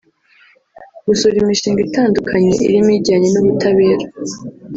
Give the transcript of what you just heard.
gusura imishinga itandukanye irimo ijyanye n’ubutabera